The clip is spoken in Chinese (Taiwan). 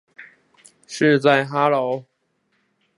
是在哈囉？